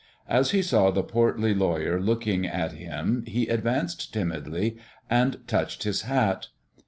As he saw the portly lawyer looking at him he advanced timidly and touched his hat.